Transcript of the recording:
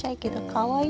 かわいい！